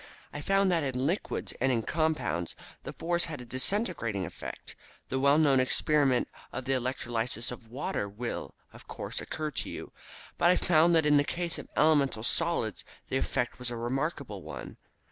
I found that in liquids, and in compounds, the force had a disintegrating effect. The well known experiment of the electrolysis of water will, of course, occur to you. But I found that in the case of elemental solids the effect was a remarkable one.